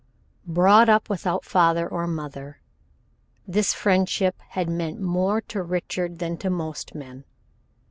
Brought up without father or mother, this friendship had meant more to Richard than to most men.